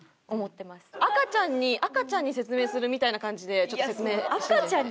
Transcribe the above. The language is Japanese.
赤ちゃんに赤ちゃんに説明するみたいな感じで。